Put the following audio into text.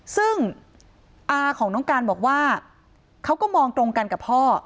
ซึ่งอาของน้องการบอกว่าเขาก็มองตรงกันกับพ่อ